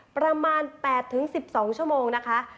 ประมาณ๘๑๒ชั่วโมงนะคะ